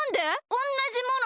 おんなじもの